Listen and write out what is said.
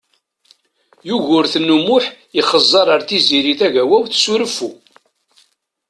Yugurten U Muḥ ixezzeṛ ar Tiziri Tagawawt s reffu.